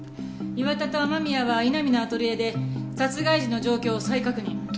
岩田と雨宮は井波のアトリエで殺害時の状況を再確認。